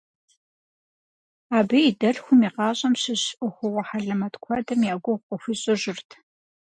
Абы и дэлъхум и гъащӏэм щыщ ӏуэхугъуэ хьэлэмэт куэдым я гугъу къыхуищӏыжырт.